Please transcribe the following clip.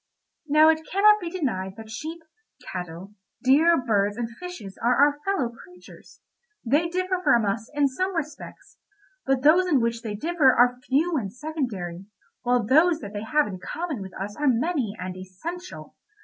"Now it cannot be denied that sheep, cattle, deer, birds, and fishes are our fellow creatures. They differ from us in some respects, but those in which they differ are few and secondary, while those that they have in common with us are many and essential.